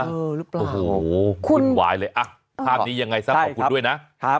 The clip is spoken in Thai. เออหรือเปล่าโอ้โหคุณหวายเลยอ่ะภาพนี้ยังไงซะขอบคุณด้วยนะครับ